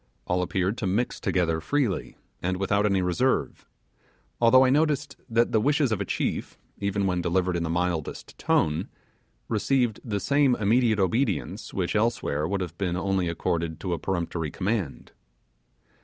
All appeared to mix together freely, and without any reserve; although I noticed that the wishes of a chief, even when delivered in the mildest tone, received the same immediate obedience which elsewhere would have been only accorded to a peremptory command.